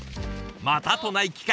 またとない機会